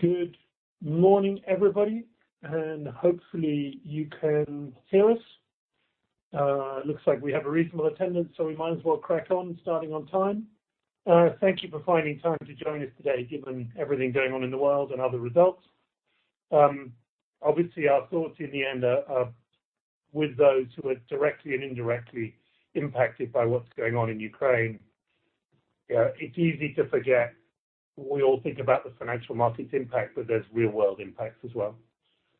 Good morning, everybody, and hopefully you can hear us. Looks like we have a reasonable attendance, so we might as well crack on starting on time. Thank you for finding time to join us today, given everything going on in the world and other results. Obviously our thoughts in the end are with those who are directly and indirectly impacted by what's going on in Ukraine. It's easy to forget, we all think about the financial markets impact, but there's real world impacts as well.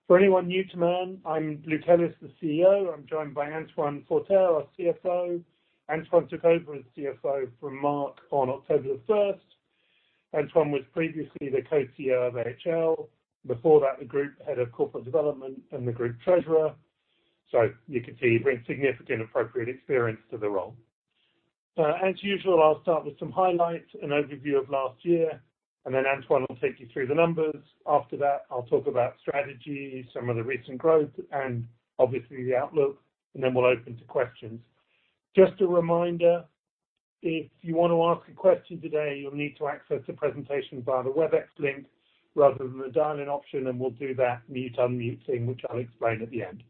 For anyone new to Man, I'm Luke Ellis, the CEO. I'm joined by Antoine Forterre, our CFO. Antoine took over as CFO from Mark on October the first. Antoine was previously the co-CEO of AHL. Before that, the group head of corporate development and the group treasurer. So you can see he brings significant appropriate experience to the role. As usual, I'll start with some highlights and overview of last year, and then Antoine, will take you through the numbers. After that, I'll talk about strategy, some of the recent growth and obviously the outlook, and then we'll open to questions. Just a reminder, if you wanna ask a question today, you'll need to access the presentation via the Webex link rather than the dial-in option, and we'll do that mute/unmute thing, which I'll explain at the end.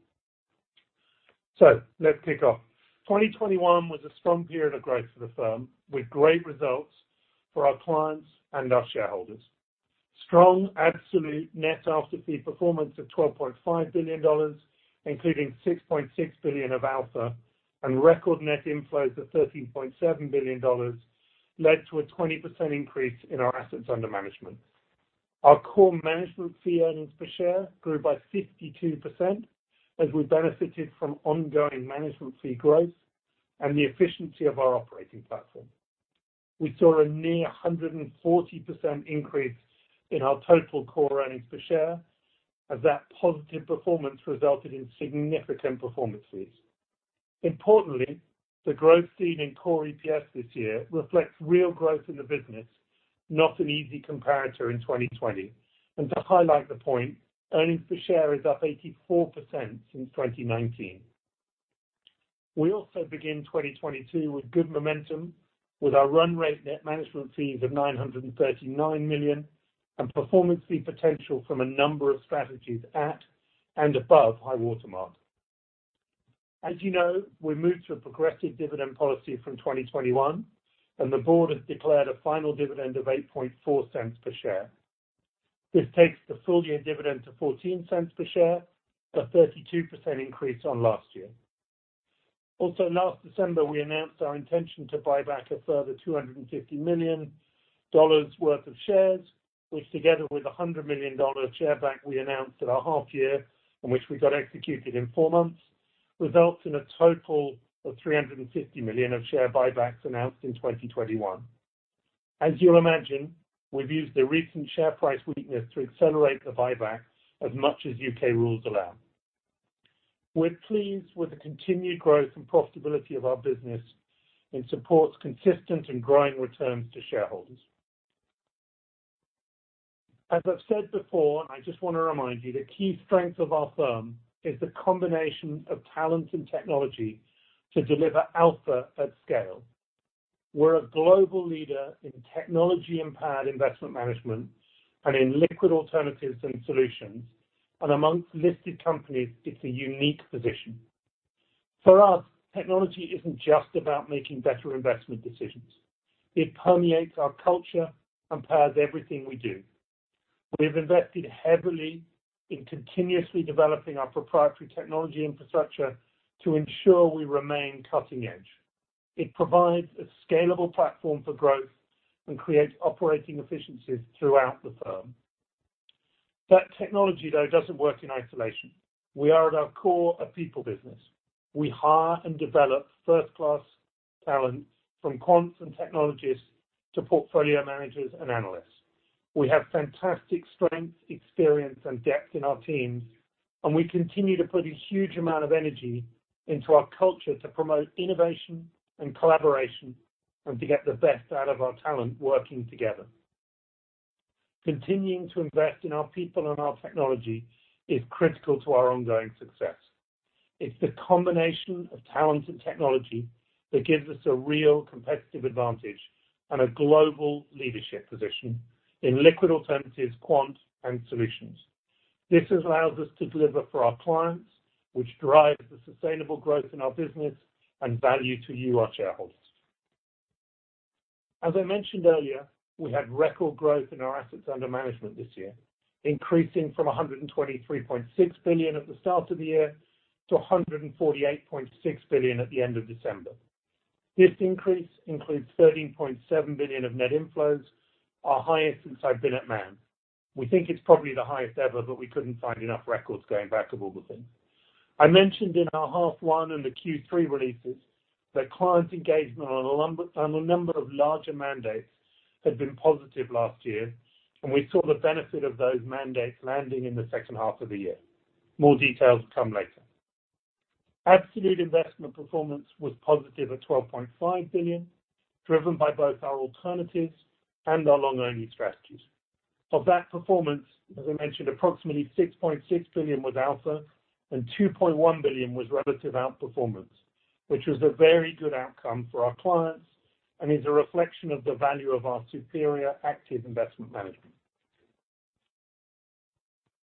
So let's kick off. 2021 was a strong period of growth for the firm, with great results for our clients and our shareholders. Strong absolute net after fee performance of $12.5 billion, including $6.6 billion of alpha and record net inflows of $13.7 billion led to a 20% increase in our assets under management. Our core management fee earnings per share grew by 52% as we benefited from ongoing management fee growth and the efficiency of our operating platform. We saw a near 140% increase in our total core earnings per share as that positive performance resulted in significant performance fees. Importantly, the growth seen in core EPS this year reflects real growth in the business, not an easy comparator in 2020. To highlight the point, earnings per share is up 84% since 2019. We also begin 2022 with good momentum with our run rate net management fees of $939 million and performance fee potential from a number of strategies at and above high water mark. As you know, we moved to a progressive dividend policy from 2021, and the board has declared a final dividend of $8.4 per share. This takes the full-year dividend to $0.14 per share, a 32% increase on last year. Last December, we announced our intention to buyback a further $250 million worth of shares, which together with a $100 million share buyback we announced at our half year and which we got executed in four months, results in a total of $350 million of share buybacks announced in 2021. As you'll imagine, we've used the recent share price weakness to accelerate the buyback as much as U.K. rules allow. We're pleased with the continued growth and profitability of our business and supports consistent and growing returns to shareholders. As I've said before, and I just wanna remind you, the key strength of our firm is the combination of talent and technology to deliver alpha at scale. We're a global leader in technology-empowered investment management and in liquid alternatives and solutions. Among listed companies, it's a unique position. For us, technology isn't just about making better investment decisions. It permeates our culture and powers everything we do. We've invested heavily in continuously developing our proprietary technology infrastructure to ensure we remain cutting edge. It provides a scalable platform for growth and creates operating efficiencies throughout the firm. Technology, though, doesn't work in isolation. We are at our core a people business. We hire and develop first-class talent from quants and technologists to portfolio managers and analysts. We have fantastic strength, experience and depth in our teams, and we continue to put a huge amount of energy into our culture to promote innovation and collaboration and to get the best out of our talent working together. Continuing to invest in our people and our technology is critical to our ongoing success. It's the combination of talent and technology that gives us a real competitive advantage and a global leadership position in liquid alternatives, quant and solutions. This allows us to deliver for our clients, which drives the sustainable growth in our business and value to you, our shareholders. As I mentioned earlier, we had record growth in our assets under management this year, increasing from $123.6 billion at the start of the year to $148.6 billion at the end of December. This increase includes $13.7 billion of net inflows, our highest since I've been at Man. We think it's probably the highest ever, but we couldn't find enough records going back of all the things. I mentioned in our half one and the Q3 releases that clients' engagement on a number of larger mandates had been positive last year, and we saw the benefit of those mandates landing in the second half of the year. More details come later. Absolute investment performance was positive at $12.5 billion, driven by both our alternatives and our long-only strategies. Of that performance, as I mentioned, approximately $6.6 billion was alpha and $2.1 billion was relative outperformance, which was a very good outcome for our clients and is a reflection of the value of our superior active investment management.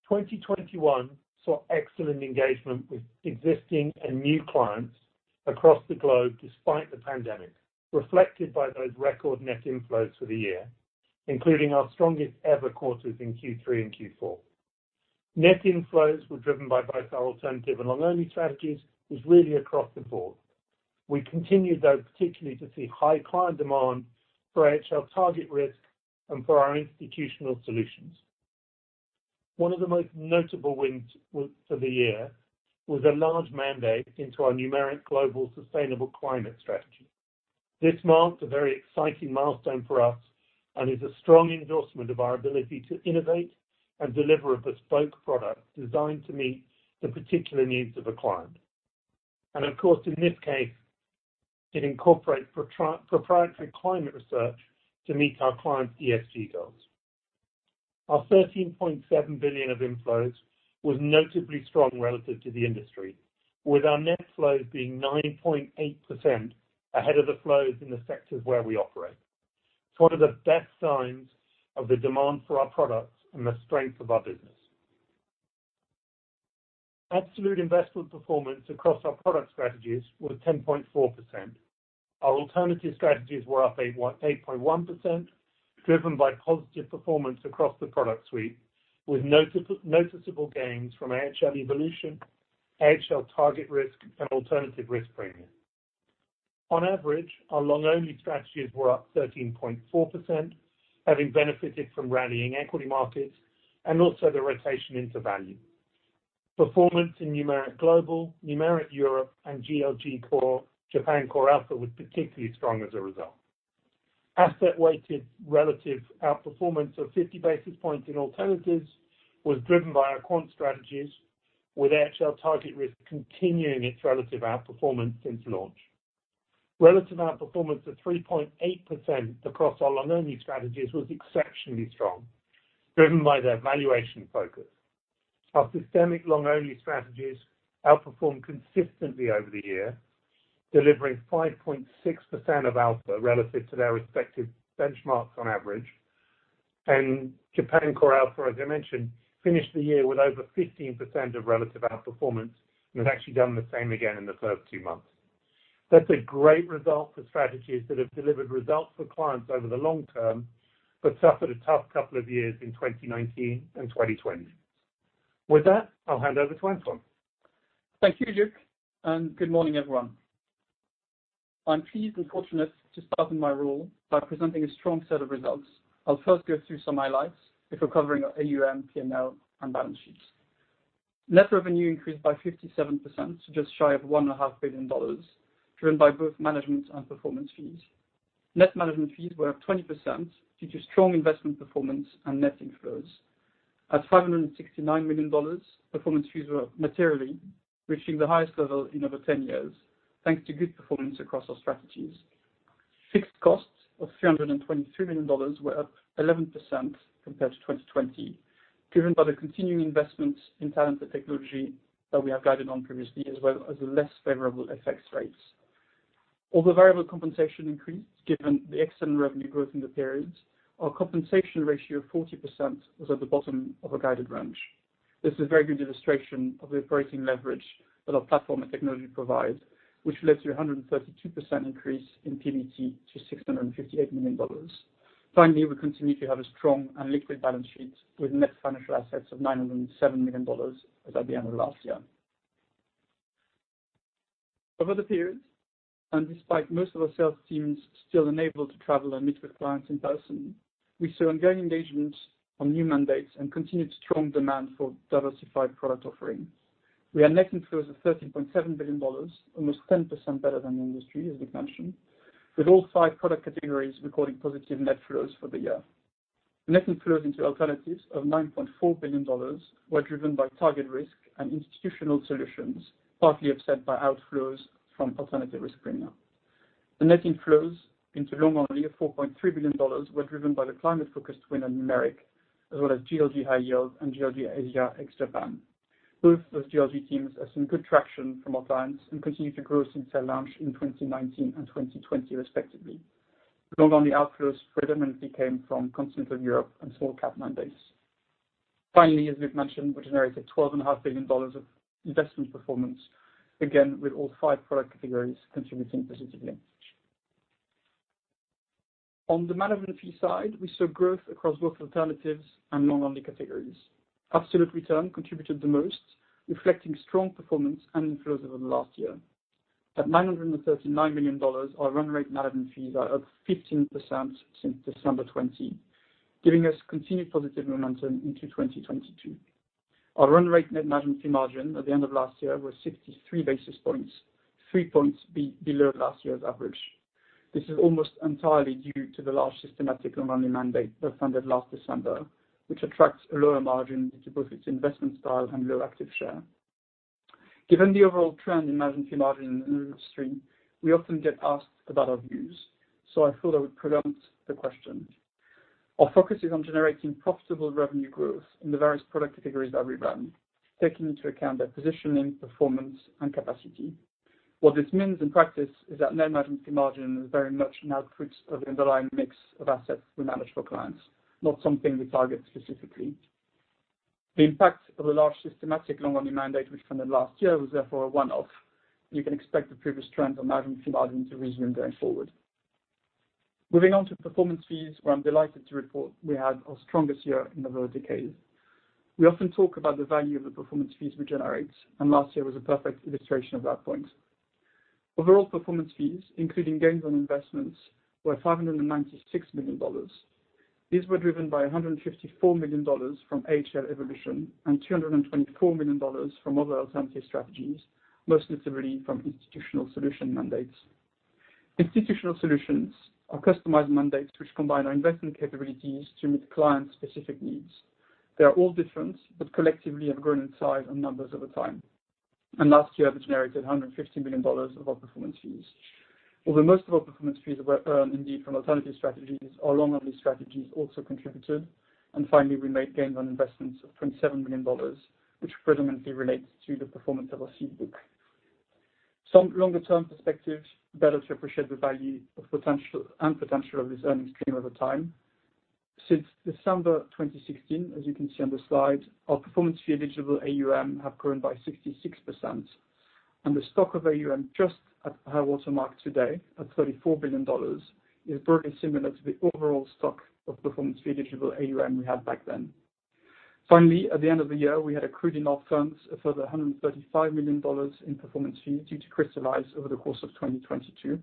2021 saw excellent engagement with existing and new clients across the globe despite the pandemic, reflected by those record net inflows for the year, including our strongest ever quarters in Q3 and Q4. Net inflows were driven by both our alternative and long-only strategies. It was really across the board. We continued, though, particularly to see high client demand for AHL TargetRisk and for our Institutional Solutions. One of the most notable wins for the year was a large mandate into our Numeric Global Sustainable Climate Strategy. This marks a very exciting milestone for us and is a strong endorsement of our ability to innovate and deliver a bespoke product designed to meet the particular needs of a client. Of course, in this case, it incorporates proprietary climate research to meet our clients' ESG goals. Our $13.7 billion of inflows was notably strong relative to the industry, with our net flows being 9.8% ahead of the flows in the sectors where we operate. It's one of the best signs of the demand for our products and the strength of our business. Absolute investment performance across our product strategies was 10.4%. Our alternative strategies were up 8.1%, driven by positive performance across the product suite, with noticeable gains from AHL Evolution, AHL TargetRisk, and Alternative Risk Premia. On average, our long-only strategies were up 13.4%, having benefited from rallying equity markets and also the rotation into value. Performance in Numeric Global Core, Numeric Europe Core, and GLG Japan CoreAlpha was particularly strong as a result. Asset-weighted relative outperformance of 50 basis points in alternatives was driven by our quant strategies, with AHL TargetRisk continuing its relative outperformance since launch. Relative outperformance of 3.8% across our long-only strategies was exceptionally strong, driven by their valuation focus. Our systematic long-only strategies outperformed consistently over the year, delivering 5.6% of alpha relative to their respective benchmarks on average. Japan CoreAlpha, as I mentioned, finished the year with over 15% of relative outperformance, and we've actually done the same again in the first two months. That's a great result for strategies that have delivered results for clients over the long term, but suffered a tough couple of years in 2019 and 2020. With that, I'll hand over to Antoine. Thank you, Luke, and good morning, everyone. I'm pleased and fortunate to start in my role by presenting a strong set of results. I'll first go through some highlights before covering our AUM, P&L, and balance sheets. Net revenue increased by 57% just shy of $1.5 billion, driven by both management and performance fees. Net management fees were up 20% due to strong investment performance and net inflows. At $569 million, performance fees were up materially, reaching the highest level in over 10 years, thanks to good performance across our strategies. Fixed costs of $323 million were up 11% compared to 2020, driven by the continuing investments in talent and technology that we have guided on previously, as well as less favorable FX rates. Although variable compensation increased, given the excellent revenue growth in the period, our compensation ratio of 40% was at the bottom of our guided range. This is a very good illustration of the operating leverage that our platform and technology provide, which led to a 132% increase in PBT to $658 million. Finally, we continue to have a strong and liquid balance sheet with net financial assets of $907 million as at the end of last year. Over the period, and despite most of our sales teams still unable to travel and meet with clients in person, we saw ongoing engagement on new mandates and continued strong demand for diversified product offerings. We had net inflows of $13.7 billion, almost 10% better than the industry, as Luke mentioned, with all five product categories recording positive net flows for the year. Net inflows into alternatives of $9.4 billion were driven by TargetRisk and Institutional Solutions, partly offset by outflows from Alternative Risk Premia. The net inflows into long-only of $4.3 billion were driven by the climate-focused win on Numeric, as well as GLG High Yield and GLG Asia (ex Japan). Both those GLG teams have seen good traction from our clients and continued to grow since their launch in 2019 and 2020 respectively. Long-only outflows predominantly came from Continental Europe and small cap mandates. Finally, as Luke mentioned, we generated $12.5 billion of investment performance, again, with all five product categories contributing positively. On the management fee side, we saw growth across both alternatives and long-only categories. Absolute return contributed the most, reflecting strong performance and inflows over the last year. At $939 million, our run rate management fees are up 15% since December 2020, giving us continued positive momentum into 2022. Our run rate net management fee margin at the end of last year was 63 basis points, three points below last year's average. This is almost entirely due to the large systematic long-only mandate that funded last December, which attracts a lower margin due to both its investment style and low active share. Given the overall trend in management fee margin in the industry, we often get asked about our views, so I thought I would pre-empt the question. Our focus is on generating profitable revenue growth in the various product categories that we run, taking into account their positioning, performance, and capacity. What this means in practice is that net management fee margin is very much an output of the underlying mix of assets we manage for clients, not something we target specifically. The impact of a large systematic long-only mandate which funded last year was therefore a one-off, and you can expect the previous trend on management fee margin to resume going forward. Moving on to performance fees, where I'm delighted to report we had our strongest year in over a decade. We often talk about the value of the performance fees we generate, and last year was a perfect illustration of that point. Overall performance fees, including gains on investments, were $596 million. These were driven by $154 million from AHL Evolution and $224 million from other alternative strategies, most notably from Institutional Solution mandates. Institutional Solutions, are customized mandates which combine our investment capabilities to meet clients' specific needs. They are all different, but collectively have grown in size and numbers over time, and last year this generated $150 million of our performance fees. Although most of our performance fees were earned indeed from alternative strategies, our long-only strategies also contributed. Finally, we made gains on investments of $27 million, which predominantly relates to the performance of our seed book. Some longer-term perspective, better to appreciate the value and potential of this earnings stream over time. Since December 2016, as you can see on the slide, our performance fee eligible AUM have grown by 66%, and the stock of AUM just at high water mark today at $34 billion is broadly similar to the overall stock of performance fee eligible AUM we had back then. Finally, at the end of the year, we had accrued in our funds a further $135 million in performance fees due to crystallize over the course of 2022.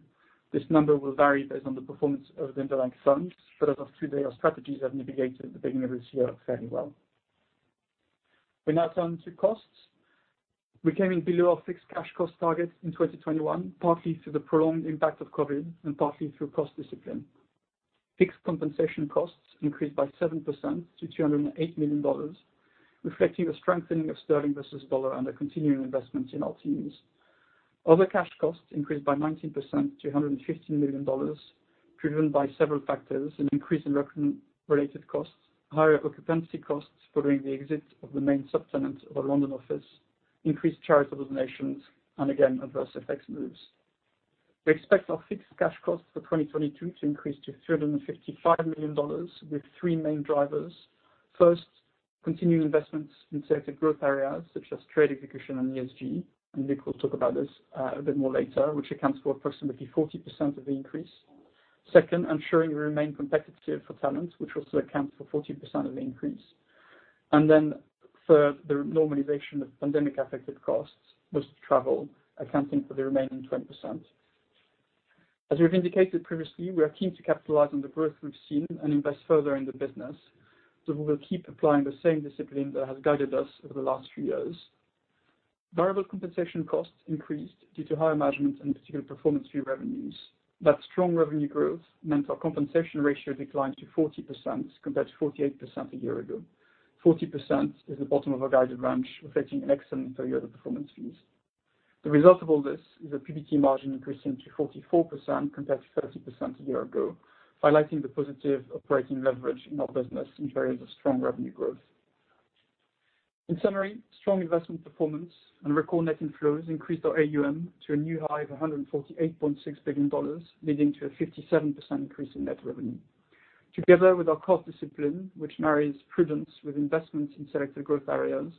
This number will vary based on the performance of the underlying funds, but as of today, our strategies have navigated the beginning of this year fairly well. We now turn to costs. We came in below our fixed cash cost target in 2021, partly through the prolonged impact of COVID and partly through cost discipline. Fixed compensation costs increased by 7% to $208 million, reflecting a strengthening of sterling versus dollar and a continuing investment in our teams. Other cash costs increased by 19% to $115 million, driven by several factors, an increase in recruitment-related costs, higher occupancy costs following the exit of the main subtenant of our London office, increased charitable donations, and again, adverse FX moves. We expect our fixed cash costs for 2022 to increase to $355 million with three main drivers. First, continuing investments in selected growth areas such as trade execution and ESG, and Luke, will talk about this, a bit more later, which accounts for approximately 40% of the increase. Second, ensuring we remain competitive for talent, which also accounts for 40% of the increase. Third, the normalization of pandemic-affected costs, mostly travel, accounting for the remaining 20%. We have indicated previously, we are keen to capitalize on the growth we've seen and invest further in the business, so we will keep applying the same discipline that has guided us over the last few years. Variable compensation costs increased due to higher management and performance fee revenues. That strong revenue growth meant our compensation ratio declined to 40% compared to 48% a year ago. 40% is the bottom of our guided range, reflecting excellent full year performance fees. The result of all this is a PBT margin increasing to 44% compared to 30% a year ago, highlighting the positive operating leverage in our business in periods of strong revenue growth. In summary, strong investment performance and record net inflows increased our AUM to a new high of $148.6 billion, leading to a 57% increase in net revenue. Together with our cost discipline, which marries prudence with investments in selected growth areas,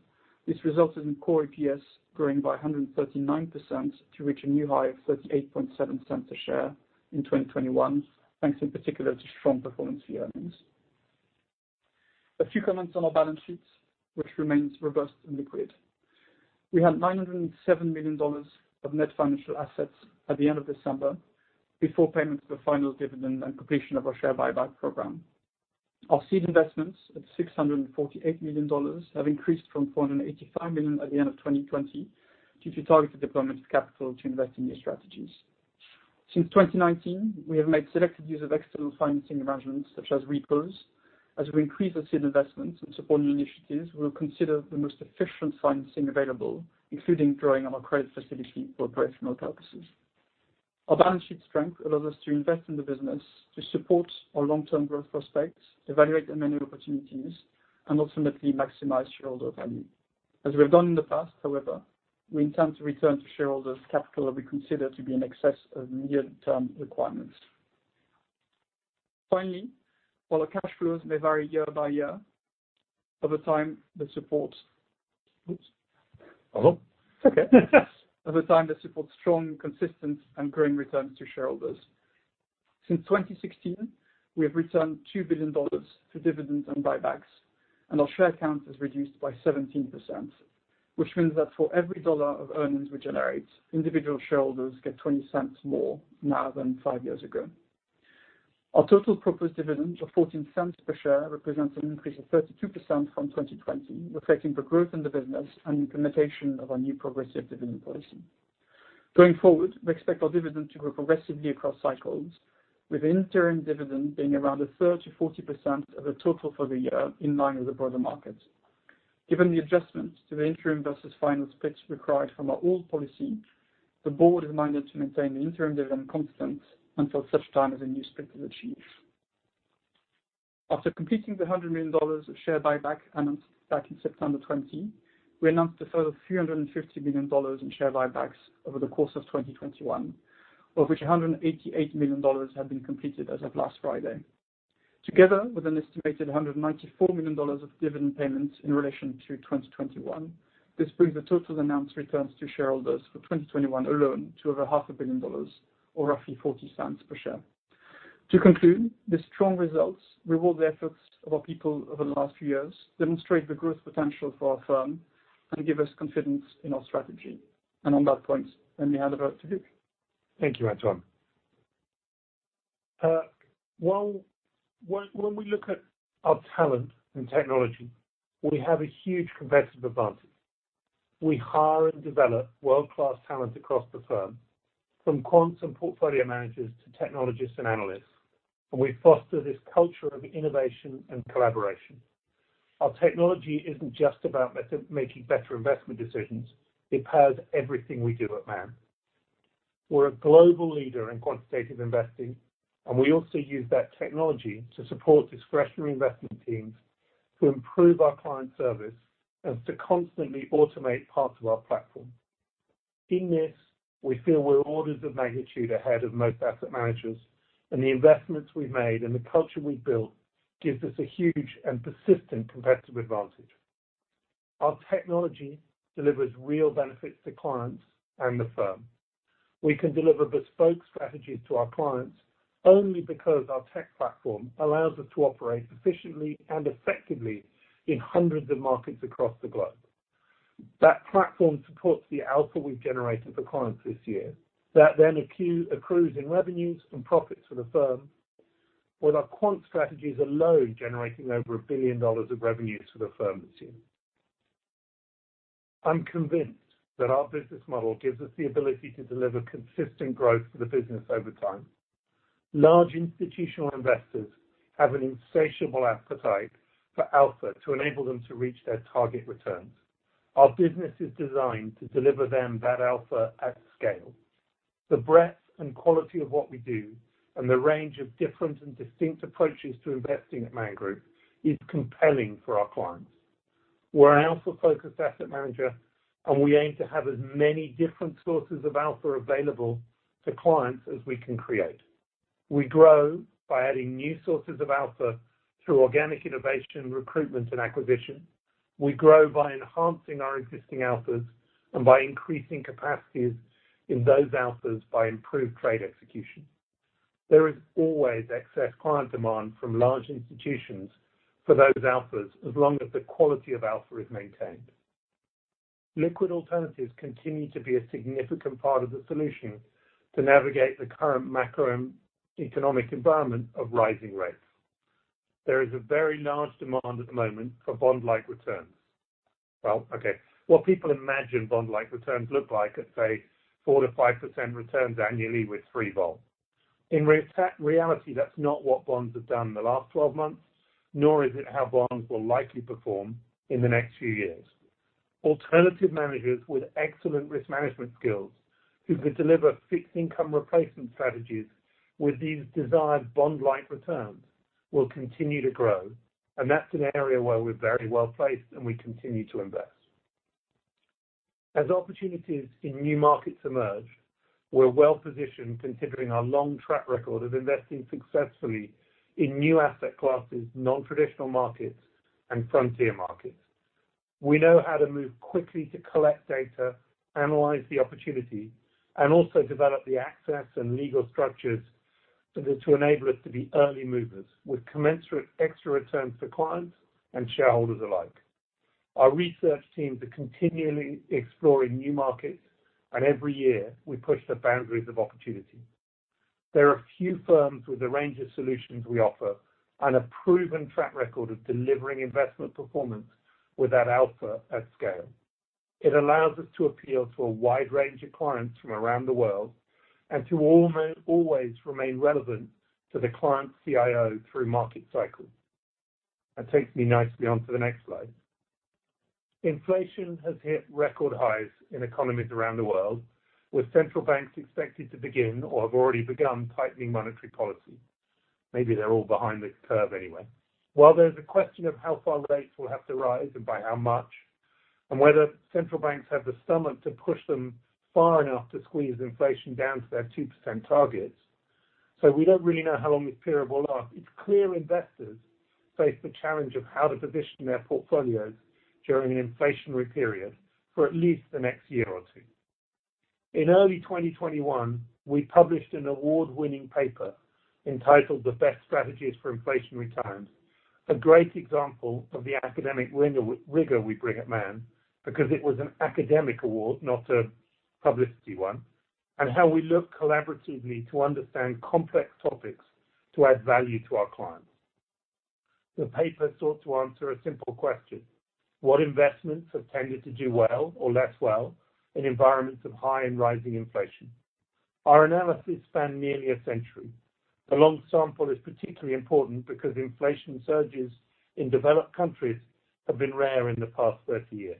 this resulted in core EPS growing by 139% to reach a new high of $38.7 a share in 2021, thanks in particular to strong performance fee earnings. A few comments on our balance sheets, which remains robust and liquid. We had $907 million of net financial assets at the end of December, before payment of the final dividend and completion of our share buyback program. Our seed investments at $648 million have increased from $485 million at the end of 2020 due to targeted deployment of capital to invest in new strategies. Since 2019, we have made selective use of external financing arrangements such as repos. As we increase our seed investments and support new initiatives, we will consider the most efficient financing available, including drawing on our credit facility for operational purposes. Our balance sheet strength allows us to invest in the business to support our long-term growth prospects, evaluate the many opportunities, and ultimately maximize shareholder value. As we have done in the past, however, we intend to return to shareholders capital that we consider to be in excess of near-term requirements. Finally, while our cash flows may vary year by year, over time, Over time, to support strong, consistent, and growing returns to shareholders. Since 2016, we have returned $2 billion to dividends and buybacks, and our share count has reduced by 17%, which means that for every dollar of earnings we generate, individual shareholders get $0.20 more now than five years ago. Our total proposed dividend of $0.14 per share represents an increase of 32% from 2020, reflecting the growth in the business and implementation of our new progressive dividend policy. Going forward, we expect our dividend to grow progressively across cycles, with interim dividend being around a 30%-40% of the total for the year in line with the broader market. Given the adjustments to the interim versus final splits required from our old policy, the board is minded to maintain the interim dividend constant until such time as a new split is achieved. After completing the $100 million of share buyback announced back in September 2020, we announced a further $350 million in share buybacks over the course of 2021, of which $188 million have been completed as of last Friday. Together with an estimated $194 million of dividend payments in relation to 2021, this brings the total announced returns to shareholders for 2021 alone to over $500 million or roughly $0.40 per share. To conclude, the strong results reward the efforts of our people over the last few years, demonstrate the growth potential for our firm, and give us confidence in our strategy. On that point, I hand over to Luke. Thank you, Antoine. Well, when we look at our talent and technology, we have a huge competitive advantage. We hire and develop world-class talent across the firm, from quants and portfolio managers to technologists and analysts. We foster this culture of innovation and collaboration. Our technology isn't just about making better investment decisions. It powers everything we do at Man. We're a global leader in quantitative investing, and we also use that technology to support discretionary investment teams to improve our client service and to constantly automate parts of our platform. In this, we feel we're orders of magnitude ahead of most asset managers, and the investments we've made and the culture we've built gives us a huge and persistent competitive advantage. Our technology delivers real benefits to clients and the firm. We can deliver bespoke strategies to our clients only because our tech platform allows us to operate efficiently and effectively in hundreds of markets across the globe. That platform supports the alpha we've generated for clients this year, that then accrues in revenues and profits for the firm. With our quant strategies alone generating over $1 billion of revenues for the firm this year. I'm convinced that our business model gives us the ability to deliver consistent growth for the business over time. Large institutional investors have an insatiable appetite for alpha to enable them to reach their target returns. Our business is designed to deliver them that alpha at scale. The breadth and quality of what we do and the range of different and distinct approaches to investing at Man Group is compelling for our clients. We're an alpha-focused asset manager, and we aim to have as many different sources of alpha available to clients as we can create. We grow by adding new sources of alpha through organic innovation, recruitment, and acquisition. We grow by enhancing our existing alphas and by increasing capacities in those alphas by improved trade execution. There is always excess client demand from large institutions for those alphas as long as the quality of alpha is maintained. Liquid alternatives continue to be a significant part of the solution to navigate the current macroeconomic environment of rising rates. There is a very large demand at the moment for bond-like returns. Well, okay. What people imagine bond-like returns look like at, say, 4%-5% returns annually with free vol. In reality, that's not what bonds have done in the last 12 months, nor is it how bonds will likely perform in the next few years. Alternative managers with excellent risk management skills who could deliver fixed income replacement strategies with these desired bond-like returns will continue to grow, and that's an area where we're very well placed and we continue to invest. As opportunities in new markets emerge, we're well-positioned considering our long track record of investing successfully in new asset classes, non-traditional markets, and frontier markets. We know how to move quickly to collect data, analyze the opportunity, and also develop the access and legal structures to enable us to be early movers with commensurate extra returns for clients and shareholders alike. Our research teams are continually exploring new markets, and every year we push the boundaries of opportunity. There are few firms with a range of solutions we offer and a proven track record of delivering investment performance with that alpha at scale. It allows us to appeal to a wide range of clients from around the world and to always remain relevant to the Client CIO through market cycles. That takes me nicely on to the next slide. Inflation has hit record highs in economies around the world, with central banks expected to begin or have already begun tightening monetary policy. Maybe they're all behind this curve anyway. While there's a question of how far rates will have to rise and by how much, and whether central banks have the stomach to push them far enough to squeeze inflation down to their 2% targets, we don't really know how long this period will last. It's clear investors face the challenge of how to position their portfolios during an inflationary period for at least the next year or two. In early 2021, we published an award-winning paper entitled The Best Strategies for Inflationary Times, a great example of the academic rigor we bring at Man, because it was an academic award, not a publicity one, and how we look collaboratively to understand complex topics to add value to our clients. The paper sought to answer a simple question, what investments have tended to do well or less well in environments of high and rising inflation? Our analysis spanned nearly a century. The long sample is particularly important because inflation surges in developed countries have been rare in the past 30 years.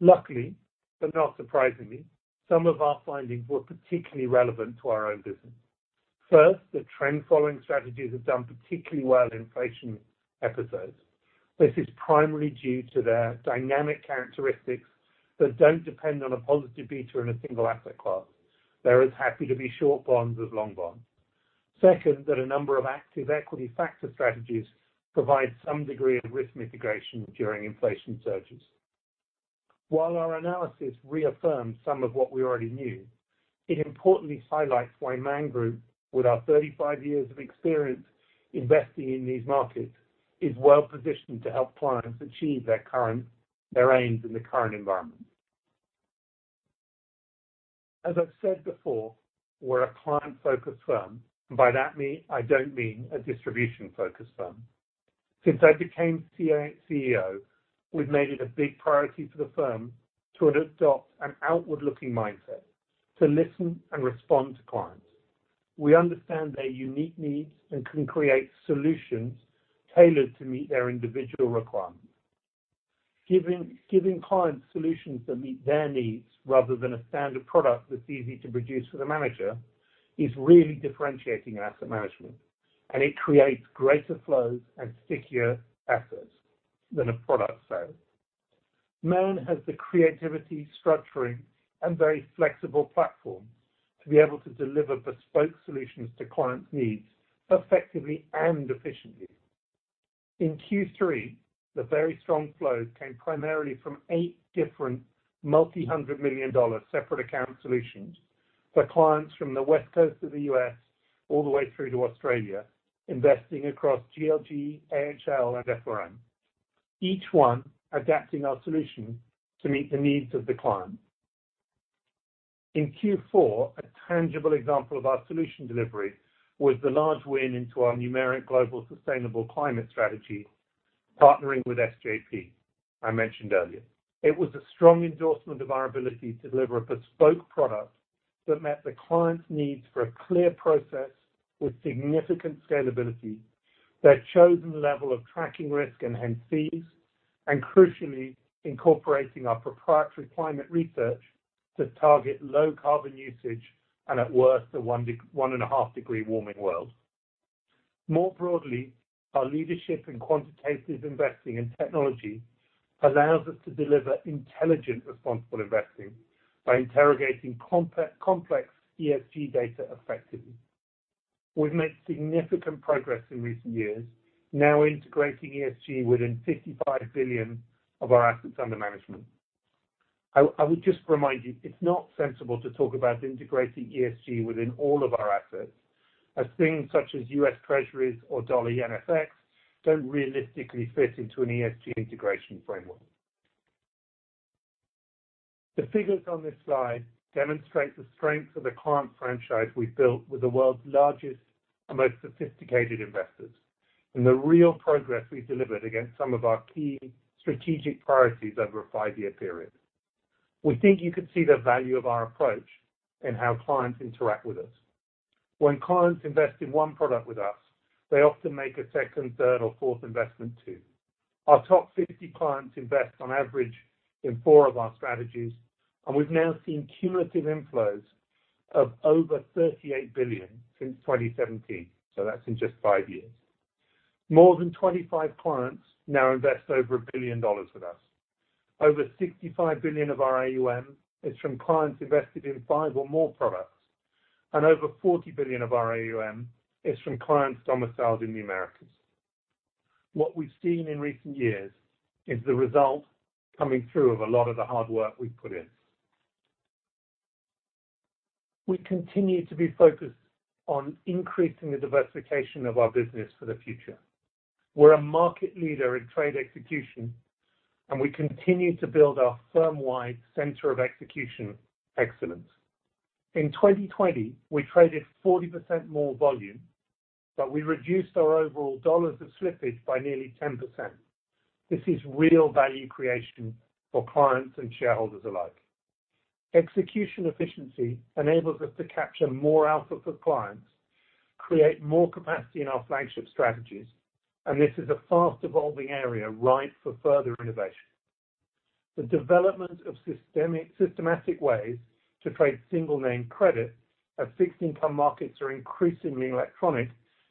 Luckily, but not surprisingly, some of our findings were particularly relevant to our own business. First, the trend following strategies have done particularly well in inflation episodes. This is primarily due to their dynamic characteristics that don't depend on a positive beta in a single asset class. They're as happy to be short bonds as long bonds. Second, that a number of active equity factor strategies provide some degree of risk mitigation during inflation surges. While our analysis reaffirmed some of what we already knew, it importantly highlights why Man Group, with our 35 years of experience investing in these markets, is well-positioned to help clients achieve their aims in the current environment. As I've said before, we're a client-focused firm. By that, I don't mean a distribution-focused firm. Since I became CEO, we've made it a big priority for the firm to adopt an outward-looking mindset, to listen and respond to clients. We understand their unique needs and can create solutions tailored to meet their individual requirements. Giving clients solutions that meet their needs rather than a standard product that's easy to produce for the manager is really differentiating in asset management, and it creates greater flows and stickier assets than a product sale. Man has the creativity, structuring, and very flexible platform to be able to deliver bespoke solutions to clients' needs effectively and efficiently. In Q3, the very strong flows came primarily from eight different multi-hundred million-dollar separate account solutions for clients from the West Coast of the U.S. all the way through to Australia, investing across GLG, AHL, and FRM. Each one adapting our solution to meet the needs of the client. In Q4, a tangible example of our solution delivery was the large win into our Numeric Global Sustainable Climate Strategy, partnering with SJP, I mentioned earlier. It was a strong endorsement of our ability to deliver a bespoke product that met the client's needs for a clear process with significant scalability, their chosen level of tracking risk and hence fees, and crucially, incorporating our proprietary climate research to target low carbon usage and at worst, a one and a half degree warming world. More broadly, our leadership in quantitative investing in technology allows us to deliver intelligent, responsible investing by interrogating complex ESG data effectively. We've made significant progress in recent years, now integrating ESG within $55 billion of our assets under management. I would just remind you, it's not sensible to talk about integrating ESG within all of our assets, as things such as U.S. Treasuries or Dollar [in FX] don't realistically fit into an ESG integration framework. The figures on this slide demonstrate the strength of the client franchise we've built with the world's largest and most sophisticated investors, and the real progress we delivered against some of our key strategic priorities over a five-year period. We think you can see the value of our approach and how clients interact with us. When clients invest in one product with us, they often make a second, third, or fourth investment too. Our top 50 clients invest on average in four of our strategies, and we've now seen cumulative inflows of over $38 billion since 2017. That's in just five years. More than 25 clients now invest over $1 billion with us. Over $65 billion of our AUM is from clients invested in five or more products, and over $40 billion of our AUM is from clients domiciled in the Americas. What we've seen in recent years is the result coming through of a lot of the hard work we've put in. We continue to be focused on increasing the diversification of our business for the future. We're a market leader in trade execution, and we continue to build our firm-wide center of execution excellence. In 2020, we traded 40% more volume, but we reduced our overall dollars of slippage by nearly 10%. This is real value creation for clients and shareholders alike. Execution efficiency enables us to capture more output for clients, create more capacity in our flagship strategies, and this is a fast-evolving area ripe for further innovation. The development of systematic ways to trade single name credit in fixed income markets are increasingly electronic,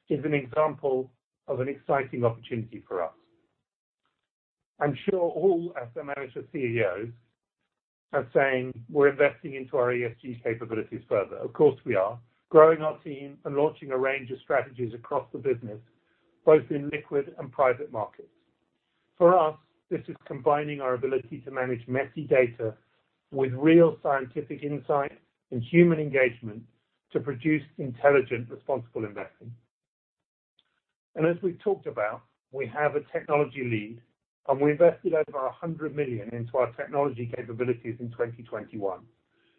is an example of an exciting opportunity for us. I'm sure all [asset management] CEOs are saying we're investing into our ESG capabilities further. Of course, we are growing our team and launching a range of strategies across the business, both in liquid and private markets. For us, this is combining our ability to manage messy data with real scientific insight and human engagement to produce intelligent, responsible investing. As we've talked about, we have a technology lead, and we invested over $100 million into our technology capabilities in 2021,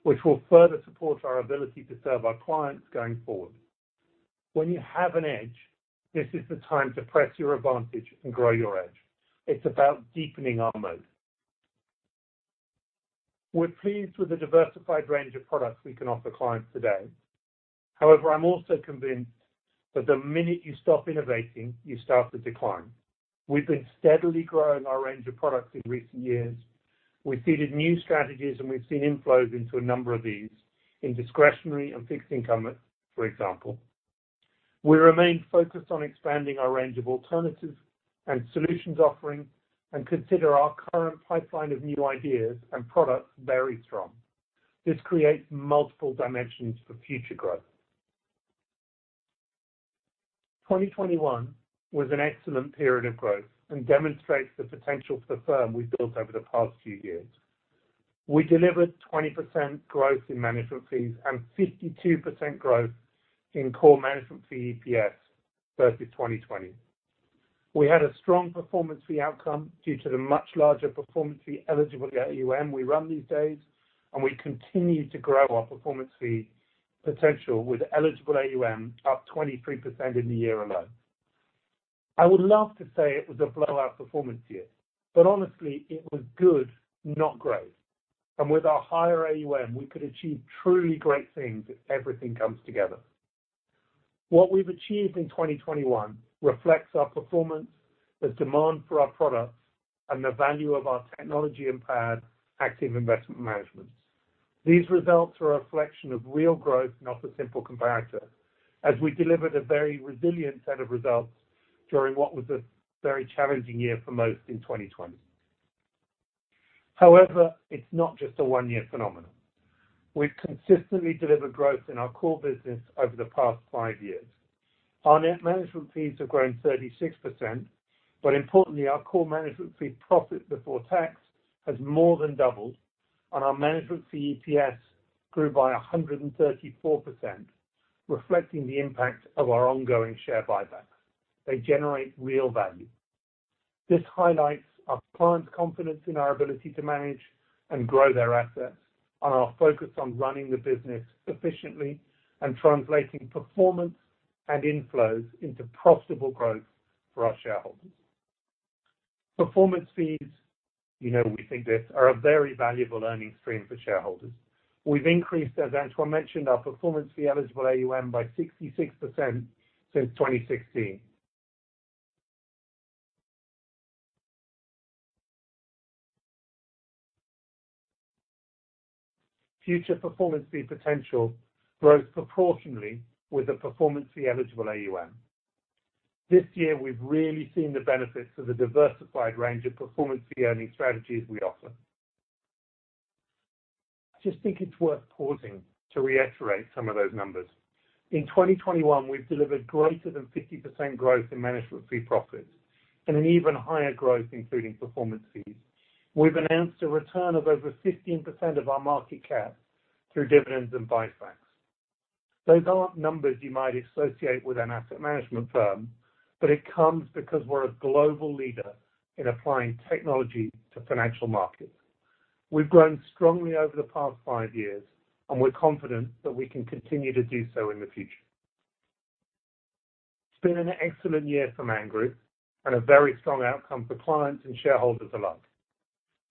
which will further support our ability to serve our clients going forward. When you have an edge, this is the time to press your advantage and grow your edge. It's about deepening our moat. We're pleased with the diversified range of products we can offer clients today. However, I'm also convinced that the minute you stop innovating, you start to decline. We've been steadily growing our range of products in recent years. We've seeded new strategies, and we've seen inflows into a number of these in discretionary and fixed income, for example. We remain focused on expanding our range of alternatives and solutions offerings and consider our current pipeline of new ideas and products very strong. This creates multiple dimensions for future growth. 2021 was an excellent period of growth and demonstrates the potential for the firm we've built over the past few years. We delivered 20% growth in management fees and 52% growth in core management fee EPS versus 2020. We had a strong performance fee outcome due to the much larger performance fee eligible AUM we run these days, and we continue to grow our performance fee potential with eligible AUM up 23% in the year alone. I would love to say it was a blowout performance year, but honestly, it was good, not great. With our higher AUM, we could achieve truly great things if everything comes together. What we've achieved in 2021 reflects our performance, the demand for our products, and the value of our technology-empowered active investment management. These results are a reflection of real growth, not a simple comparator, as we delivered a very resilient set of results during what was a very challenging year for most in 2020. However, it's not just a one-year phenomenon. We've consistently delivered growth in our core business over the past five years. Our net management fees have grown 36%, but importantly, our core management fee profit before tax has more than doubled, and our management fee EPS grew by 134%, reflecting the impact of our ongoing share buybacks. They generate real value. This highlights our clients' confidence in our ability to manage and grow their assets and our focus on running the business efficiently and translating performance and inflows into profitable growth for our shareholders. Performance fees, you know we think this, are a very valuable earnings stream for shareholders. We've increased, as Antoine mentioned, our performance fee eligible AUM by 66% since 2016. Future performance fee potential grows proportionally with the performance fee eligible AUM. This year, we've really seen the benefits of the diversified range of performance fee earning strategies we offer. I just think it's worth pausing to reiterate some of those numbers. In 2021, we've delivered greater than 50% growth in management fee profits and an even higher growth including performance fees. We've announced a return of over 15% of our market cap through dividends and buybacks. Those aren't numbers you might associate with an asset management firm, but it comes because we're a global leader in applying technology to financial markets. We've grown strongly over the past five years, and we're confident that we can continue to do so in the future. It's been an excellent year for Man Group and a very strong outcome for clients and shareholders alike.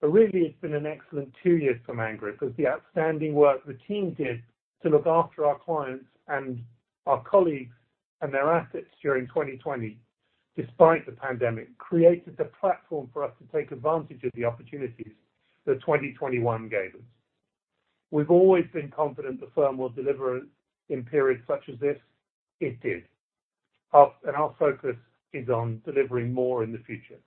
Really, it's been an excellent two years for Man Group as the outstanding work the team did to look after our clients and our colleagues and their assets during 2020, despite the pandemic, created the platform for us to take advantage of the opportunities that 2021 gave us. We've always been confident the firm will deliver in periods such as this. It did. Our focus is on delivering more in the future.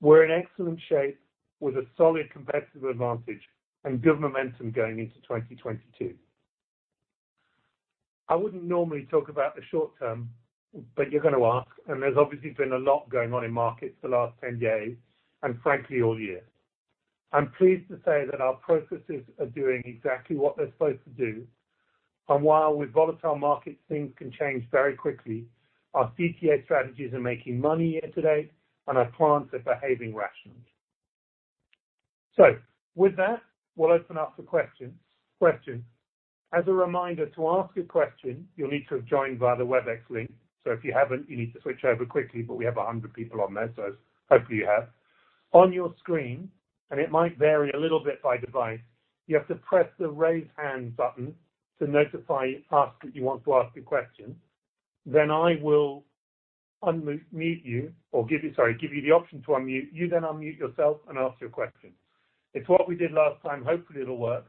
We're in excellent shape with a solid competitive advantage and good momentum going into 2022. I wouldn't normally talk about the short term, but you're gonna ask, and there's obviously been a lot going on in markets the last 10 days and frankly, all year. I'm pleased to say that our processes are doing exactly what they're supposed to do. While with volatile markets, things can change very quickly, our CTA strategies are making money year-to-date, and our clients are behaving rationally. With that, we'll open up for questions. As a reminder, to ask a question, you'll need to join via the Webex link. If you haven't, you need to switch over quickly, but we have 100 people on there, so hopefully you have. On your screen, and it might vary a little bit by device, you have to press the Raise Hand button to notify us that you want to ask a question. Then I will unmute you or give you the option to unmute. You then unmute yourself and ask your question. It's what we did last time. Hopefully, it'll work.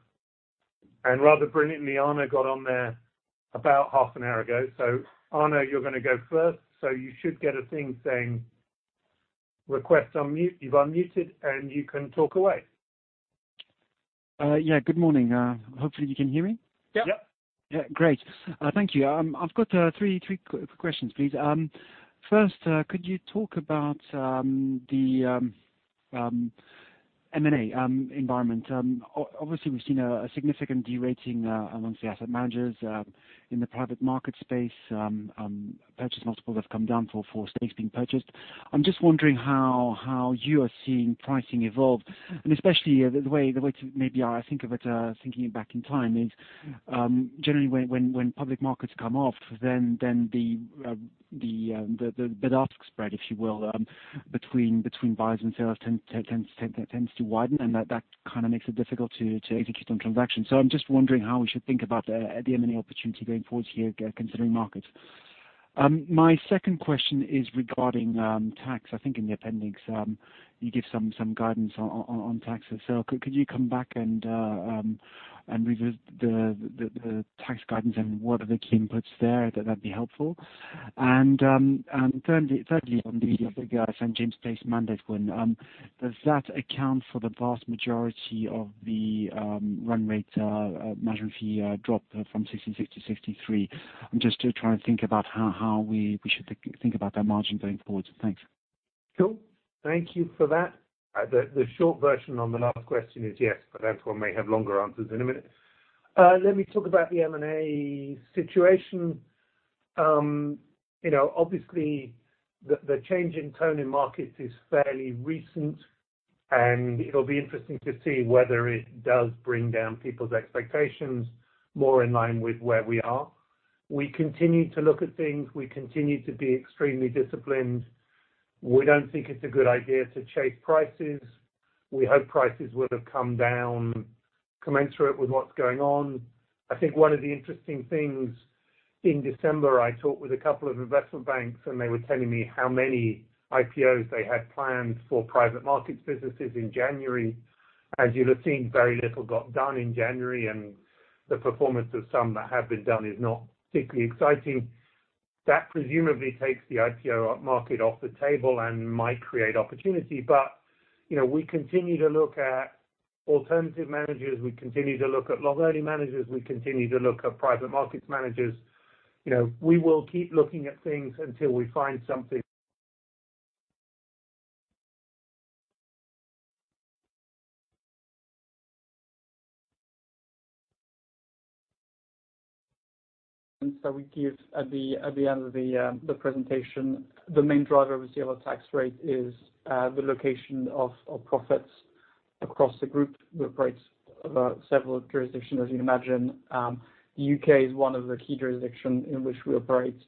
Rather brilliantly, Arnaud got on there about half an hour ago. Arnaud, you're gonna go first. You should get a thing saying, "Request to unmute. You've unmuted," and you can talk away. Yeah, good morning. Hopefully you can hear me. Yeah. Yeah. Great. Thank you. I've got three quick questions, please. First, could you talk about the M&A environment. Obviously we've seen a significant derating amongst the asset managers in the private market space. Purchase multiples have come down for stakes being purchased. I'm just wondering how you are seeing pricing evolve, and especially the way to maybe think of it, thinking back in time is generally when public markets come off, then the bid-ask spread, if you will, between buyers and sellers tends to widen, and that kind of makes it difficult to execute on transactions. I'm just wondering how we should think about the M&A opportunity going forward here considering markets. My second question is regarding tax. I think in the appendix you give some guidance on taxes. Could you come back and revisit the tax guidance and what are the key inputs there? That'd be helpful. Thirdly, on the St. James's Place mandate win, does that account for the vast majority of the run rate management fee drop from 66 to 63? I'm just still trying to think about how we should think about that margin going forward. Thanks. Cool. Thank you for that. The short version on the last question is yes, but Antoine may have longer answers in a minute. Let me talk about the M&A situation. You know, obviously the change in tone in markets is fairly recent, and it'll be interesting to see whether it does bring down people's expectations more in line with where we are. We continue to look at things. We continue to be extremely disciplined. We don't think it's a good idea to chase prices. We hope prices will have come down commensurate with what's going on. I think one of the interesting things, in December, I talked with a couple of investment banks, and they were telling me how many IPOs they had planned for private markets businesses in January. As you'll have seen, very little got done in January, and the performance of some that have been done is not particularly exciting. That presumably takes the IPO market off the table and might create opportunity. You know, we continue to look at alternative managers. We continue to look at long-only managers. We continue to look at private markets managers. You know, we will keep looking at things until we find something. We give at the end of the presentation, the main driver we see of our tax rate is the location of profits across the group. We operate several jurisdictions, as you'd imagine. U.K. is one of the key jurisdictions in which we operate,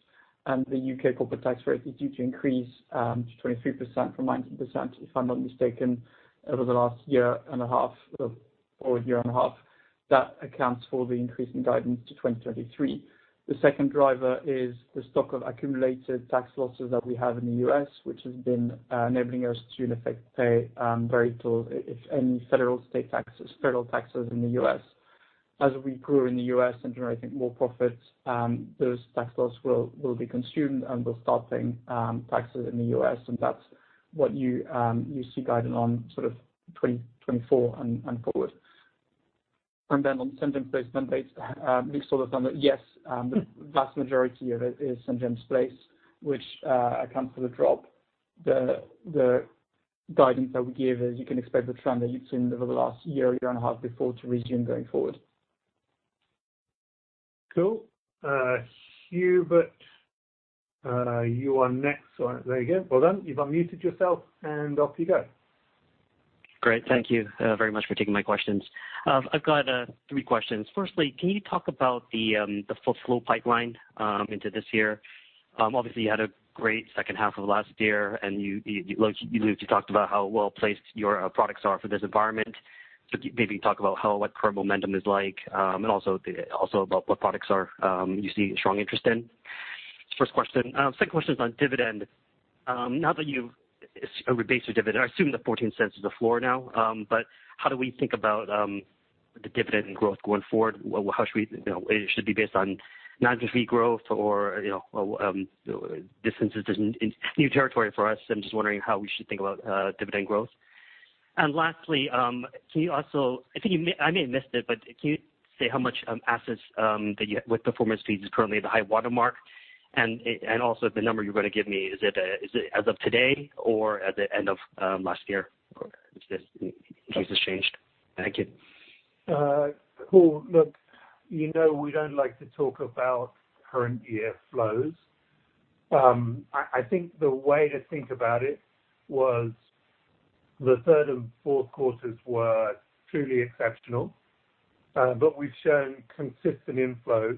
and the U.K. corporate tax rate is due to increase to 23% from 19%, if I'm not mistaken, over the last year and a half. That accounts for the increase in guidance to 2023. The second driver is the stock of accumulated tax losses that we have in the U.S., which has been enabling us to in effect pay very little, if any, federal, state taxes, federal taxes in the U.S. As we grow in the U.S. and generating more profits, those tax losses will be consumed and we will start paying taxes in the U.S. and that's what you see guided on sort of 2024 and forward. On St. James's Place mandates, Luke, sort of covered. Yes, the vast majority of it is St. James's Place, which accounts for the drop. The guidance that we give is you can expect the trend that you've seen over the last year and a half before to resume going forward. Cool. Hubert, you are next. There you go. Well done. You've unmuted yourself, and off you go. Great. Thank you very much for taking my questions. I've got three questions. Firstly, can you talk about the full flow pipeline into this year? Obviously you had a great second half of last year and you like talked about how well-placed your products are for this environment. So maybe talk about how the current momentum is like and also about what products you see strong interest in? First question. Second question is on dividend. Now that you've rebased your dividend, I assume the $0.14 is the floor now, but how do we think about the dividend growth going forward? How should we, you know, it should be based on management fee growth or, you know, dividends. This is new territory for us, so I'm just wondering how we should think about dividend growth. Lastly, can you also I think I may have missed it, but can you say how much assets that you with performance fees is currently at the high-water mark? And also, the number you're gonna give me, is it as of today or at the end of last year? In case it's changed. Thank you. Cool. Look, you know we don't like to talk about current year flows. I think the way to think about it was the third and fourth quarters were truly exceptional, but we've shown consistent inflows.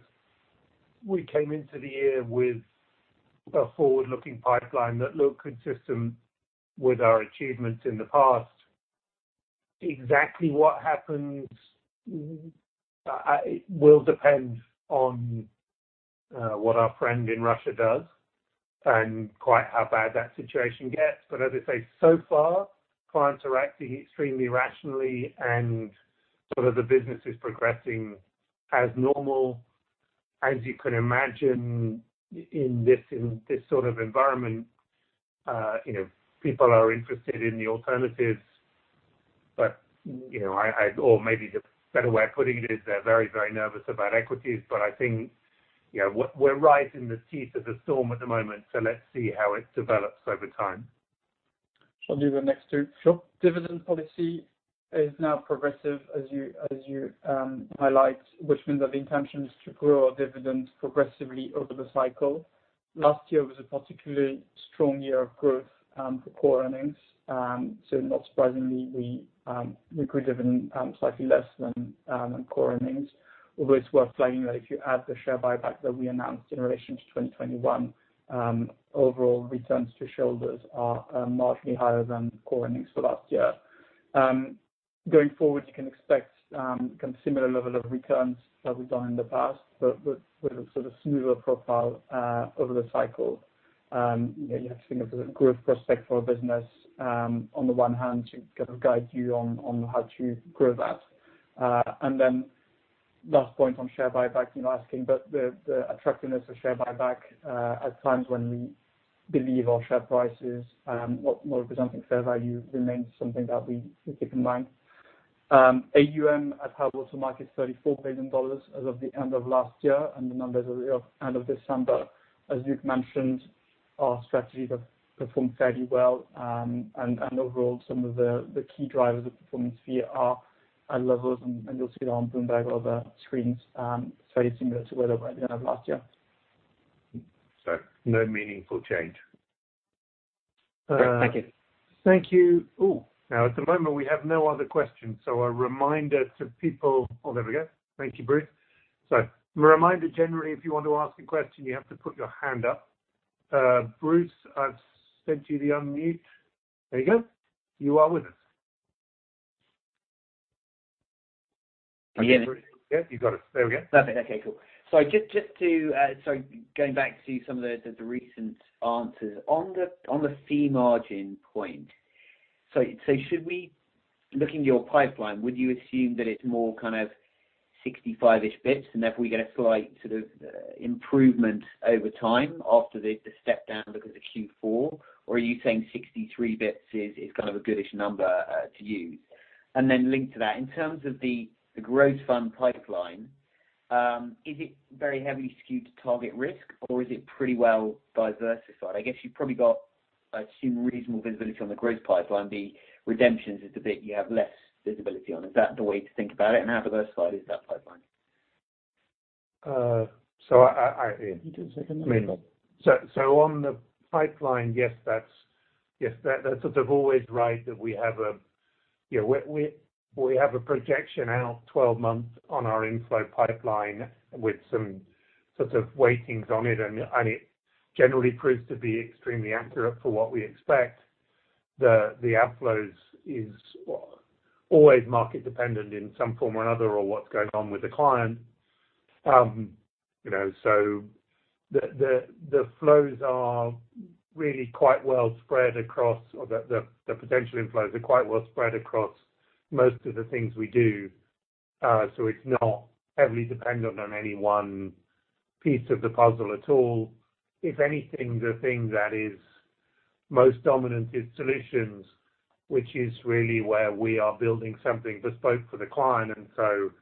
We came into the year with a forward-looking pipeline that looked consistent with our achievements in the past. Exactly what happens, it will depend on, what our friend in Russia does and quite how bad that situation gets. As I say, so far, clients are acting extremely rationally and sort of the business is progressing as normal. As you can imagine in this sort of environment, you know, people are interested in the alternatives. You know, or maybe the better way of putting it is they're very, very nervous about equities. I think yeah. We're right in the teeth of the storm at the moment, so let's see how it develops over time. Shall I do the next two? Sure. Dividend policy is now progressive, as you highlight, which means that the intention is to grow our dividend progressively over the cycle. Last year was a particularly strong year of growth for core earnings. Not surprisingly, we grew dividend slightly less than core earnings. Although it's worth flagging that if you add the share buyback that we announced in relation to 2021, overall returns to shareholders are marginally higher than core earnings for last year. Going forward, you can expect kind of similar level of returns that we've done in the past, but with a sort of smoother profile over the cycle. You know, we have significant growth prospects for our business, on the one hand to kind of guide you on how to grow that. Last point on share buyback, you're asking, but the attractiveness of share buyback at times when we believe our share price is not representing fair value remains something that we keep in mind. AUM [also] marked $34 billion as of the end of last year and the numbers as of end of December. As Luke mentioned, our strategies have performed fairly well. Overall some of the key drivers of performance fee are at levels, and you'll see it on Bloomberg or the screens, similar to where they were at the end of last year. No meaningful change. Great. Thank you. Thank you. We have no other questions. A reminder to people. Thank you, Bruce. A reminder, generally, if you want to ask a question, you have to put your hand up. Bruce, I've sent you the unmute. There you go. You are with us. Can you hear me? Yeah, you've got it. There we go. Perfect. Okay, cool. Just to, sorry, going back to some of the recent answers. On the fee margin point, so should we looking at your pipeline, would you assume that it's more kind of 65-ish bits, and therefore we get a slight sort of improvement over time after the step down because of Q4? Or are you saying 63 bits is kind of a good-ish number to use? Linked to that, in terms of the growth fund pipeline, is it very heavily skewed to TargetRisk or is it pretty well diversified? I guess you've probably got, I assume, reasonable visibility on the growth pipeline. The redemptions is the bit you have less visibility on. Is that the way to think about it? How diversified is that pipeline? Uh, so I. You take a second that one. On the pipeline, yes, that's sort of always right that we have a projection out 12 months on our inflow pipeline with some sort of weightings on it and it generally proves to be extremely accurate for what we expect. The outflows is always market dependent in some form or another, or what's going on with the client. You know, the potential inflows are really quite well spread across most of the things we do. It's not heavily dependent on any one piece of the puzzle at all. If anything, the thing that is most dominant is solutions, which is really where we are building something bespoke for the client. You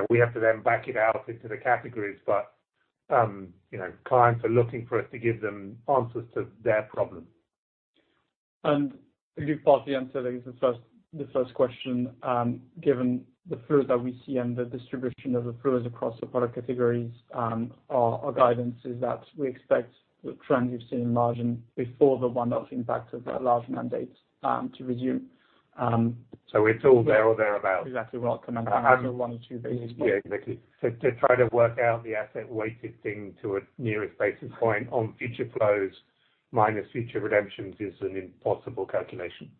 know, we have to then back it out into the categories. You know, clients are looking for us to give them answers to their problems. I think you've partly answered, I guess, the first question. Given the flows that we see and the distribution of the flows across the product categories, our guidance is that we expect the trend we've seen in margin before the one-off impact of the large mandates to resume. It's all there or thereabouts. Exactly where I'd recommend that one or two basis points. Yeah, exactly. To try to work out the asset weighted thing to a nearest basis point on future flows minus future redemptions is an impossible calculation.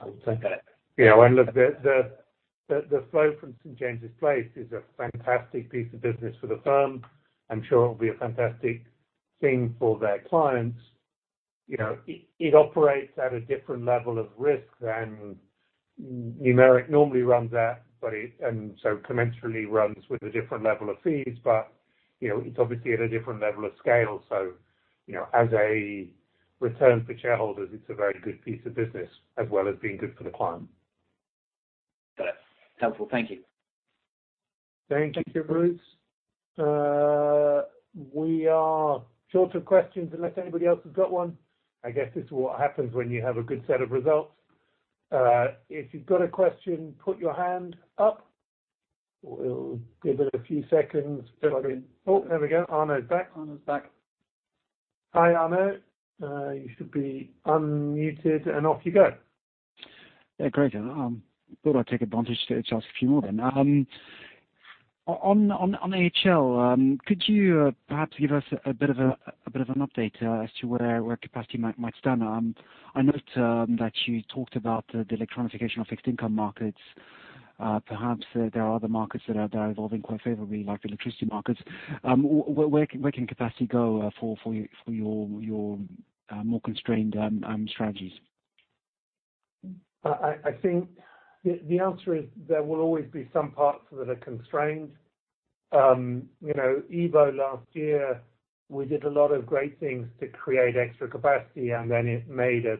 I'll take that. You know, look, the flow from St. James's Place is a fantastic piece of business for the firm. I'm sure it'll be a fantastic thing for their clients. You know, it operates at a different level of risk than Numeric normally runs at, but it and so commensurately runs with a different level of fees. You know, it's obviously at a different level of scale. You know, as a return for shareholders, it's a very good piece of business as well as being good for the client. Got it. Helpful. Thank you. Thank you, Bruce. We are short of questions unless anybody else has got one. I guess this is what happens when you have a good set of results. If you've got a question, put your hand up. We'll give it a few seconds. Oh, there we go. Arnaud's back. Arnaud's back. Hi, Arnaud. You should be unmuted and off you go. Yeah, great. Thought I'd take advantage to ask a few more then. On AHL, could you perhaps give us a bit of an update as to where capacity might stand? I note that you talked about the electronification of fixed income markets. Perhaps there are other markets that are evolving quite favorably, like electricity markets. Where can capacity go for your more constrained strategies? I think the answer is there will always be some parts that are constrained. You know, EVO last year, we did a lot of great things to create extra capacity, and then it made us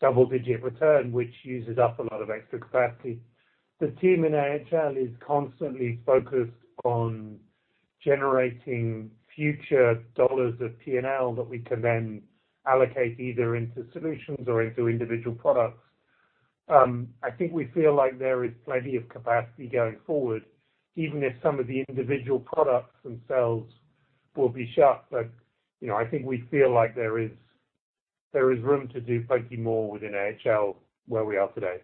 double-digit return, which uses up a lot of extra capacity. The team in AHL is constantly focused on generating future dollars of P&L that we can then allocate either into solutions or into individual products. I think we feel like there is plenty of capacity going forward, even if some of the individual products themselves will be capped. You know, I think we feel like there is room to do plenty more within AHL where we are today.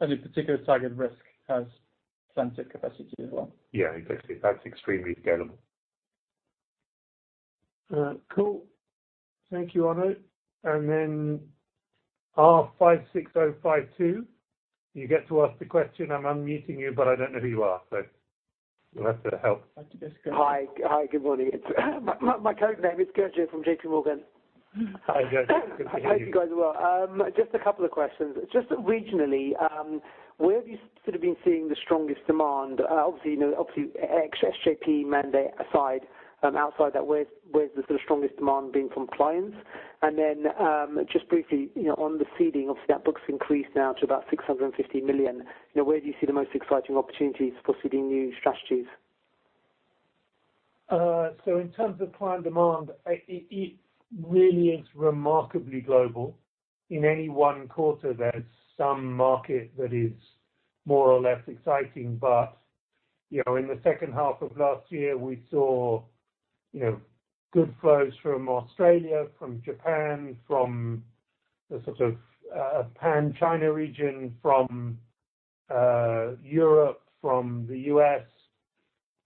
AHL TargetRisk has plenty capacity as well. Yeah, exactly. That's extremely scalable. Cool. Thank you, Arnaud. Then [R56052], you get to ask the question. I'm unmuting you, but I don't know who you are, so you'll have to help.I think that's good. Hi. Good morning. My code name is Gurjit from JP Morgan. Hi, Gurjit. Good to hear you. I hope you guys are well. Just a couple of questions. Just regionally, where have you sort of been seeing the strongest demand? Obviously, you know, SJP mandate aside, outside that, where's the strongest demand being from clients? Just briefly, you know, on the seeding of that book's increased now to about $650 million, you know, where do you see the most exciting opportunities for seeding new strategies? In terms of client demand, I think it really is remarkably global. In any one quarter, there's some market that is more or less exciting. You know, in the second half of last year, we saw, you know, good flows from Australia, from Japan, from the sort of, from China region, from Europe, from the U.S.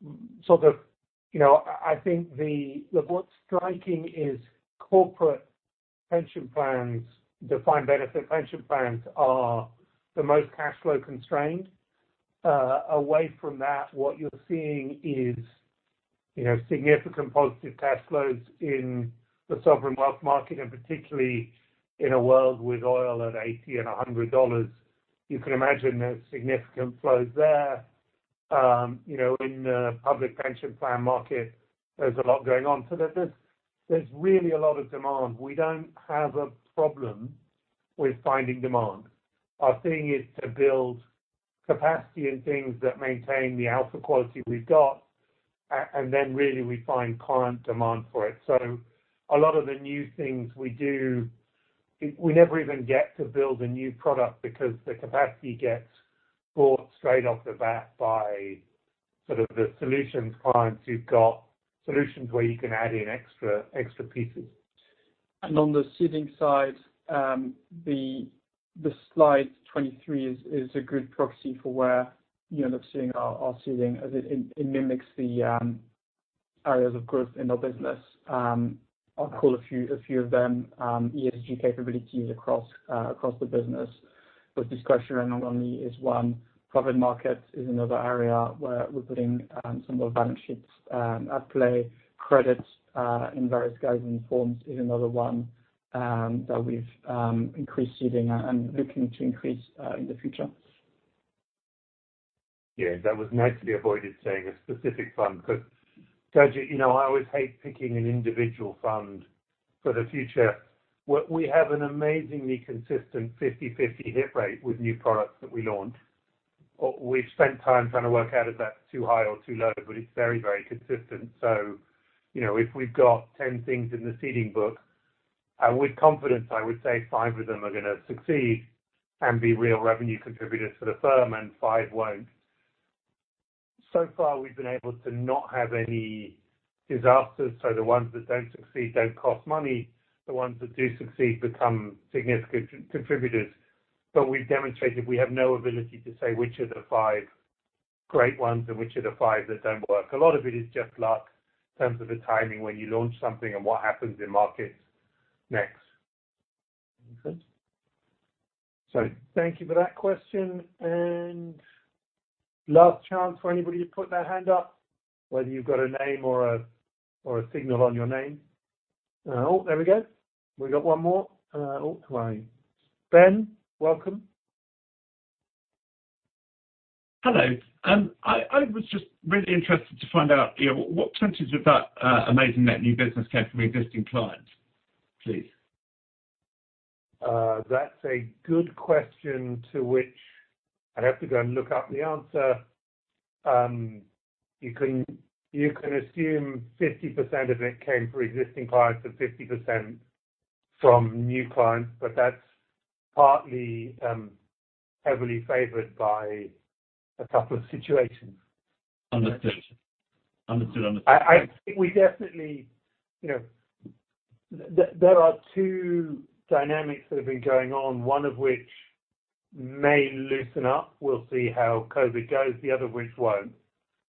You know, I think what's striking is corporate pension plans, defined benefit pension plans are the most cash flow constrained. Away from that, what you're seeing is, you know, significant positive cash flows in the sovereign wealth market, and particularly in a world with oil at $80 and $100. You can imagine there's significant flows there. You know, in the public pension plan market, there's a lot going on. There's really a lot of demand. We don't have a problem with finding demand. Our thing is to build capacity in things that maintain the alpha quality we've got, and then really we find client demand for it. A lot of the new things we do, we never even get to build a new product because the capacity gets bought straight off the bat by sort of the solutions clients who've got solutions where you can add in extra pieces. On the seeding side, the slide 23 is a good proxy for where you end up seeing our seeding as it mimics the areas of growth in our business. I'll call a few of them, ESG capabilities across the business, with discretionary is one. Private market is another area where we're putting some more balance sheets at play. Credits in various guises and forms is another one that we've increased seeding and looking to increase in the future. Yeah, that was nicely avoided saying a specific fund 'cause, Gurjit, you know, I always hate picking an individual fund for the future. What we have an amazingly consistent 50/50 hit rate with new products that we launch. We've spent time trying to work out if that's too high or too low, but it's very, very consistent. You know, if we've got 10 things in the seeding book, and with confidence, I would say five of them are gonna succeed and be real revenue contributors to the firm and five won't. So far, we've been able to not have any disasters. The ones that don't succeed don't cost money. The ones that do succeed become significant contributors. We've demonstrated we have no ability to say which are the five great ones and which are the five that don't work. A lot of it is just luck in terms of the timing when you launch something and what happens in markets next. Okay. Thank you for that question. Last chance for anybody to put their hand up, whether you've got a name or a signal on your name. There we go. We got one more. Ben, welcome. Hello. I was just really interested to find out, you know, what percentage of that amazing net new business came from existing clients, please? That's a good question to which I'd have to go and look up the answer. You can assume 50% of it came from existing clients and 50% from new clients, but that's partly heavily favored by a couple of situations. Understood. We definitely, you know, there are two dynamics that have been going on, one of which may loosen up. We'll see how COVID goes, the other which won't.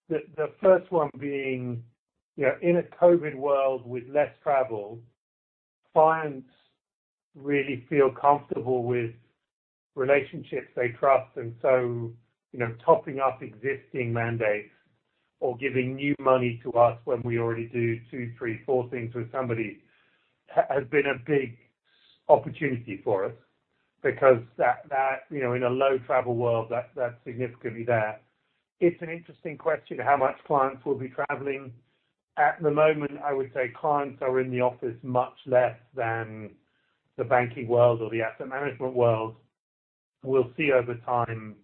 The first one being, you know, in a COVID world with less travel, clients really feel comfortable with relationships they trust. You know, topping up existing mandates or giving new money to us when we already do two, three, four things with somebody has been a big opportunity for us because that, you know, in a low travel world, that's significantly easier. It's an interesting question, how much clients will be traveling. At the moment, I would say clients are in the office much less than the banking world or the asset management world. We'll see over time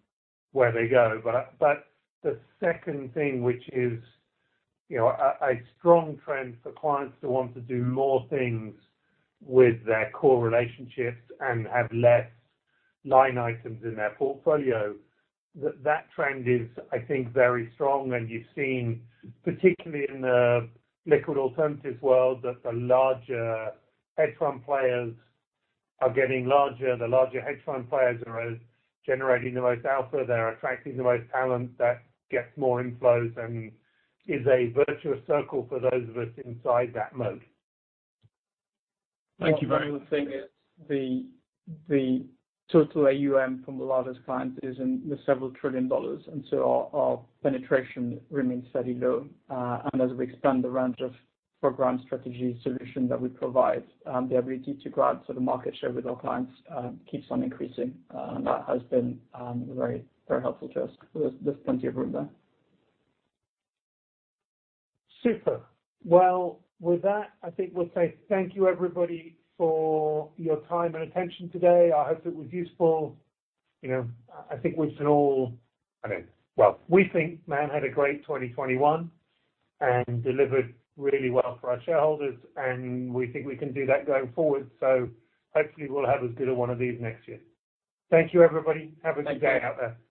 where they go. The second thing, which is, you know, a strong trend for clients to want to do more things with their core relationships and have less line items in their portfolio, that trend is, I think, very strong. You've seen, particularly in the liquid alternatives world, that the larger hedge fund players are getting larger. The larger hedge fund players are generating the most alpha. They're attracting the most talent that gets more inflows and is a virtuous circle for those of us inside that mode. Thank you very much. One other thing is the total AUM from the largest clients is in the several trillion dollars, so our penetration remains fairly low. As we expand the range of program strategy solution that we provide, the ability to gain sort of market share with our clients keeps on increasing. That has been very helpful to us. There's plenty of room there. Super. Well, with that, I think we'll say thank you everybody for your time and attention today. I hope it was useful. You know, I mean, well, we think Man had a great 2021 and delivered really well for our shareholders, and we think we can do that going forward. Hopefully we'll have as good a one of these next year. Thank you, everybody. Have a good day out there.